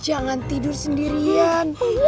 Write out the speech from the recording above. jangan tidur sendirian